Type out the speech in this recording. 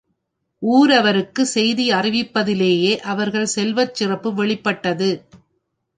ஊரவர்க்குச் செய்தி அறிவிப்பதிலேயே அவர்கள் செல்வச் சிறப்பு வெளிப்பட்டது.